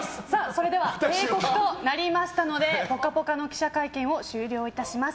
それでは定刻となりましたので「ぽかぽか」の記者会見を終了いたします。